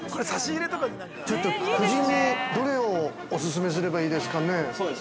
◆ちょっと、夫人にどれをお勧めすればいいですかね。